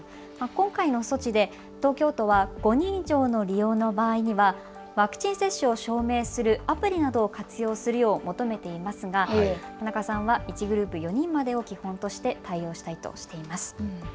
今回の措置で東京都は５人以上の利用の場合にはワクチン接種を証明するアプリなどを活用するよう求めていますが田中さんは１グループ４人までを基本として対応したいとしています。